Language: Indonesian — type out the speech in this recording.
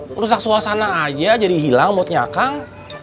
merusak suasana aja jadi hilang moodnya kang